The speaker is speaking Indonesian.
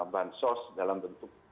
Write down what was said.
bansos dalam bentuk